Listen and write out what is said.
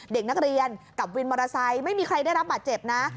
เด็กนักเรียนกับวินมอเตอร์ไซค์ไม่มีใครได้รับบาดเจ็บนะ